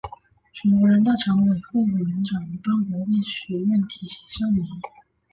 全国人大常委会委员长吴邦国为学院题写校名。